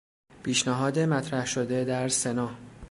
پیشنهاد مطرح شده در سنا